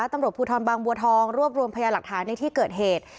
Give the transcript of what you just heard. ตำรวจภูทรบางบัวทองรวบรวมพยาหลักฐานในที่เกิดเหตุ